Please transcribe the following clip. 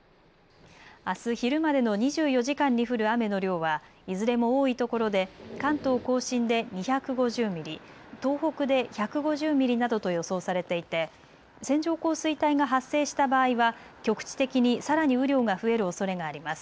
あす昼までの２４時間に降る雨の量はいずれも多いところで関東甲信で２５０ミリ、東北で１５０ミリなどと予想されていて線状降水帯が発生した場合は局地的にさらに雨量が増えるおそれがあります。